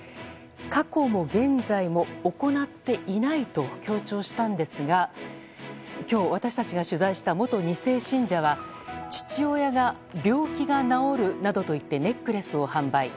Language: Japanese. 過去も現在も行っていないと強調したんですが今日、私たちが取材した元２世信者は父親が病気が治るなどといってネックレスを販売。